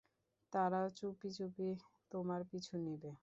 তারা চুপিচুপি তোমার পিছু নিবে।